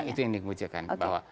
itu yang dipancarkan